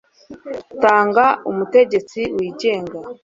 tanga umutegetsi wigenga